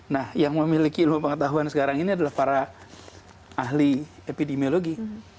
nah yang memiliki ilmu pengetahuan sekarang ini adalah para ahli epidemiologi